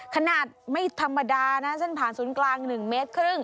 ขนาดไม่ธรรมดาน่ะซึ่งผ่านศูนย์กลาง๑๕เมตร